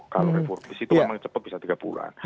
kalau reformis itu memang cepat bisa tiga bulan